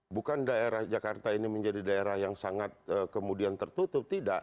bukan daerah jakarta ini menjadi daerah yang sangat kemudian tertutup tidak